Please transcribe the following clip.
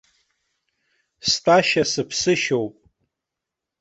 Стәашьа сыԥсышьоуп.